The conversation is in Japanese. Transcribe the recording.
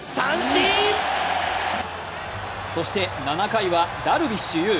そして７回はダルビッシュ有。